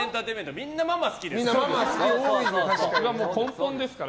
みんなママ好きですから。